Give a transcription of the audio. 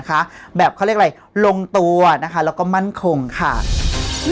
แบบเขาเรียกอะไรลงตัวนะคะแล้วก็มั่นคงค่ะ